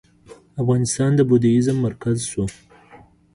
افغانستان د بودیزم مرکز شو